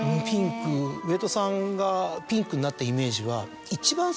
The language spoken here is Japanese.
上戸さんがピンクになったイメージは一番。